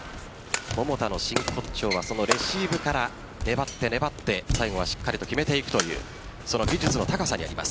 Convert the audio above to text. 桃田の真骨頂はレシーブから粘って粘って最後はしっかりと決めていくという技術の高さにあります。